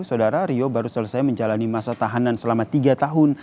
saudara rio baru selesai menjalani masa tahanan selama tiga tahun